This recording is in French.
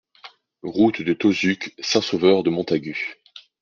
Route de Tauzuc, Saint-Sauveur-de-Montagut